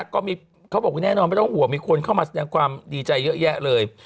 ก็มีพูดแน่นอนไม่ต้องห่วงมีคนก็ครอบคุมและแสดงความดีใจเยอะแยะเลย